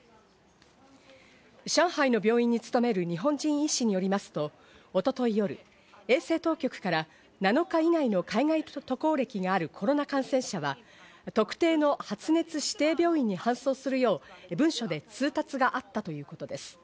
上海の病院に勤める日本人医師によりますと一昨日夜、衛生当局から７日以内の海外渡航歴があるコロナ感染者は特定の発熱指定病院に搬送するよう文書で通達があったということです。